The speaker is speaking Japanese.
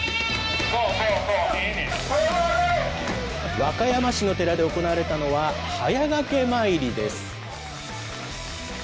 和歌山市の寺で行われたのは、速駈詣りです。